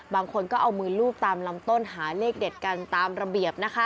บางคนก็เอามือลูบตามลำต้นหาเลขเด็ดกันตามระเบียบนะคะ